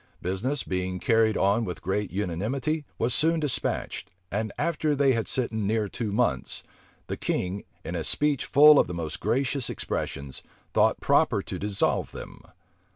Business, being carried on with great unanimity, was soon despatched; and after they had sitten near two months, the king, in a speech full of the most gracious expressions, thought proper to dissolve them.